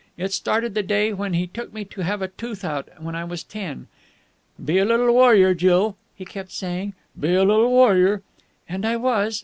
It started the day when he took me to have a tooth out, when I was ten. 'Be a little warrior, Jill!' he kept saying. 'Be a little warrior!' And I was."